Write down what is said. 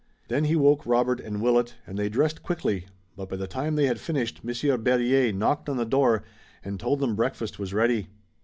Then he woke Robert and Willet, and they dressed quickly, but by the time they had finished Monsieur Berryer knocked on the door and told them breakfast was ready.